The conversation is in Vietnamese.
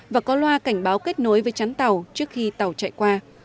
và có loa cảnh báo kết nối với chắn tàu trước khi tàu chạy qua